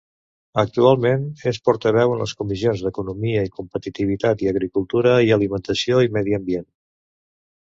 Actualment, és portaveu en les comissions d'Economia i Competitivitat i Agricultura, Alimentació i Medi Ambient.